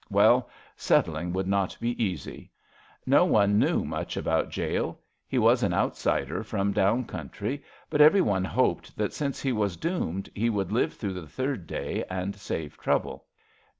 Well, settling would not be easy. No one knew much about Jale. He was an outsider from down country, but every one hoped that, since he was doomed, he would live through the third day and save trouble.